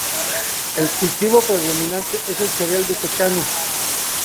El cultivo predominante es el cereal de secano.